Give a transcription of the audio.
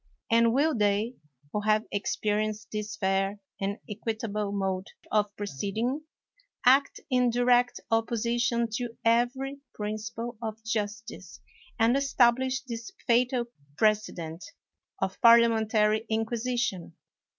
And will they, who have experienced this fair and equitable mode of proceeding, act in direct opposition to every principle of justice and establish this fatal precedent of parliamentary inquisition?